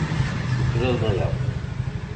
Tuklaleḍ aya.